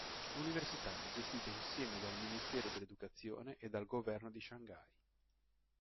L'università è gestita insieme dal Ministero dell'Educazione e dal Governo di Shanghai.